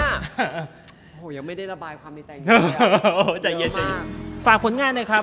โหยังไม่ได้ระบายความในใจมาก